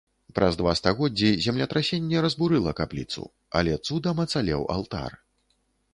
Праз два стагоддзі землетрасенне разбурыла капліцу, але цудам ацалеў алтар.